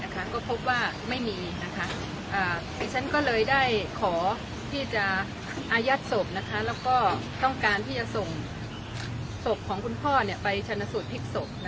ก็พบว่าไม่มีดิฉันก็เลยได้ขอที่จะอายัดศพแล้วก็ต้องการที่จะส่งศพของคุณพ่อไปชนะสูตรพลิกศพ